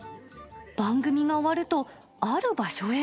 番組が終わると、ある場所へ。